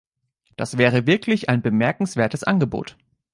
Das wäre wirklich ein bemerkenswertes Angebot.